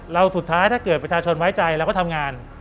สุดท้ายถ้าเกิดประชาชนไว้ใจเราก็ทำงาน